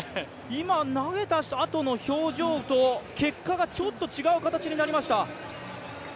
今投げた後の表情と結果がちょっと違う形になりました。